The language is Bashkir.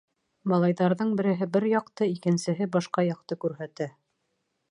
Малайҙарҙың береһе бер яҡты, икенсеһе башҡа яҡты күрһәтә.